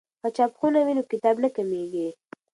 که چاپخونه وي نو کتاب نه کمېږي.